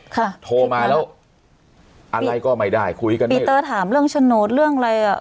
โทรมาแล้วอะไรก็ไม่ได้คุยกันปีเตอร์ถามเรื่องโฉนดเรื่องอะไรอ่ะ